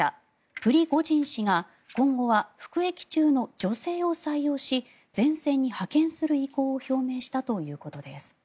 プリゴジン氏が今後は服役中の女性を採用し前線に派遣する意向を表明したということです。